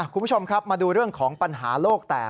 คุณผู้ชมครับมาดูเรื่องของปัญหาโลกแตก